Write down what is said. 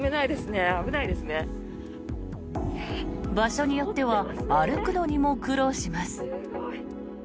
場所によっては歩くのにも苦労します。